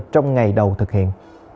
trong ngày đầu thực hiện